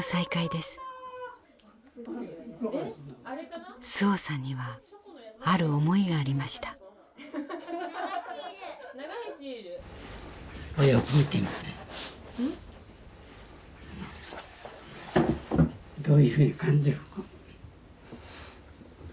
どういうふうに感じるか。